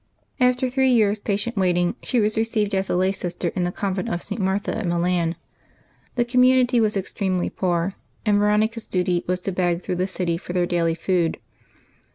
After three years' patient waiting she was received as a lay sister in the con vent of St. Martha at Milan. The community was ex tremely poor, and Veronica's duty was to beg through the city for their daily food.